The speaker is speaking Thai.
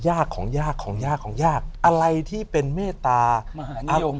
ยากของยากของยากของยากอะไรที่เป็นเมตตามหาอาองค์